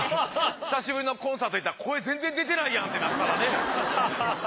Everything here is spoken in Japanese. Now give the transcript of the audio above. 久しぶりのコンサート行ったら声全然出てないやんってなったらね。